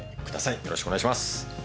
よろしくお願いします。